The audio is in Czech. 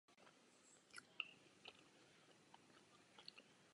Přístup na nástupiště má tři úrovně.